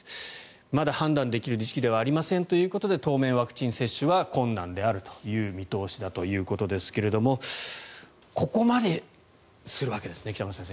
まだ判断できる時期ではありませんということで当面、ワクチン接種は困難だという見通しであるということですがここまでするわけですね北村先生